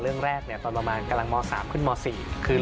คุณผู้ชมไม่เจนเลยค่ะถ้าลูกคุณออกมาได้มั้ยคะ